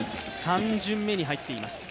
３巡目に入っています。